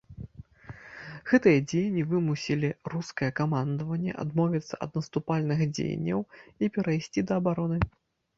Гэтыя дзеянні вымусілі рускае камандаванне адмовіцца ад наступальных дзеянняў і перайсці да абароны.